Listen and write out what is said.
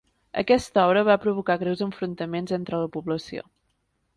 Aquesta obra va provocar greus enfrontaments entre la població.